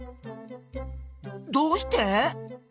どうして？